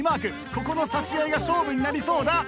ここの差し合いが勝負になりそうだ。